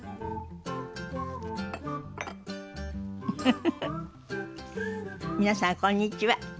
フフフフ皆さんこんにちは。